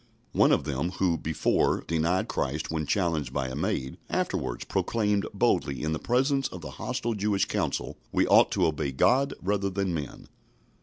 One of them who, before, denied Christ when challenged by a maid, afterwards proclaimed boldly in the presence of the hostile Jewish council, "We ought to obey God rather than men."